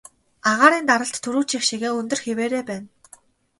Агаарын даралт түрүүчийнх шигээ өндөр хэвээрээ байна.